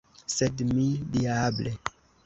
Sed mi, diable!